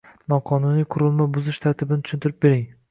Noqonuniy qurilma buzish tartibini tushuntirib bering?